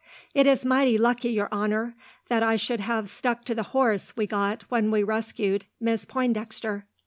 "It is mighty lucky, your honour, that I should have stuck to the horse we got when we rescued Miss Pointdexter."